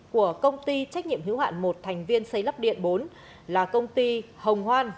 của công ty trách nhiệm hữu hạn một thành viên xây lắp điện bốn là công ty hồng hoan